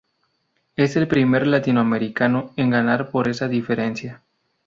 Es el primer latinoamericano en ganar por esa diferencia.